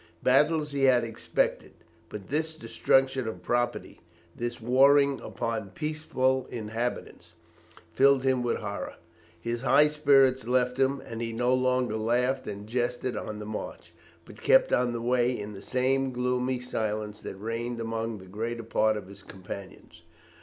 Battles he had expected; but this destruction of property, this warring upon peaceful inhabitants, filled him with horror; his high spirits left him, and he no longer laughed and jested on the march, but kept on the way in the same gloomy silence that reigned among the greater part of his companions.